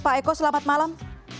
pak eko selamat malam